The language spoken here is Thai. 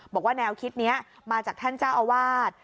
บอกว่าแนวคิดนี้มาจากท่านเจ้าอาวาส